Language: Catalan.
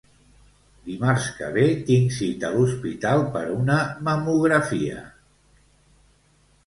Dimarts que ve tinc cita a l'hospital per una mamografia